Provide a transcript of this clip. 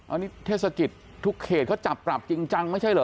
อันนี้เทศกิจทุกเขตเขาจับปรับจริงจังไม่ใช่เหรอ